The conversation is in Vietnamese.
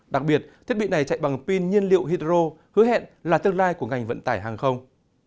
đặc biệt thiết bị này chạy bằng pin nhiên liệu hydro hứa hẹn là tương lai của ngành vận tải hàng không